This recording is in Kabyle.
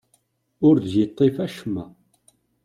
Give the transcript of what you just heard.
Ur d-yeṭṭif acemma.